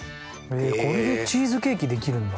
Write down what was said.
これでチーズケーキ出来るんだ。